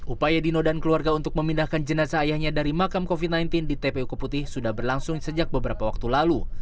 upaya dino dan keluarga untuk memindahkan jenazah ayahnya dari makam covid sembilan belas di tpu keputih sudah berlangsung sejak beberapa waktu lalu